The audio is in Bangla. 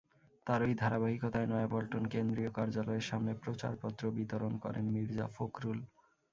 তারই ধারাবাহিকতায় নয়াপল্টন কেন্দ্রীয় কার্যালয়ের সামনে প্রচারপত্র বিতরণ করেন মির্জা ফখরুল।